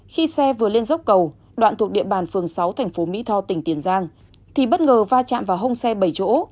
khi xe vừa lên dốc cầu đoạn thuộc địa bàn phường sáu thành phố mỹ tho tỉnh tiền giang thì bất ngờ va chạm vào hông xe bảy chỗ